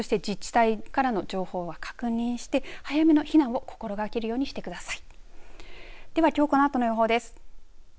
そして自治体からの情報は確認して早めの避難を心がけるようにしてください。